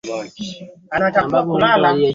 Kama vyombo vya habari katika jamii za kale